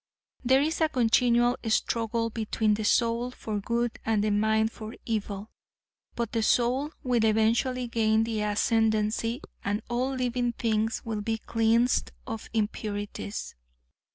There is a continual struggle between the soul for good and the mind for evil, but the soul will eventually gain the ascendancy and all living things will be cleansed of impurities.